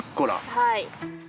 はい。